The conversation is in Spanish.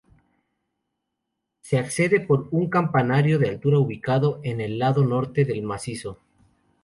Se accede por un campamento de altura ubicado en el lado norte del macizo.